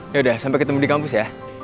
yaudah sampe ketemu di kampus ya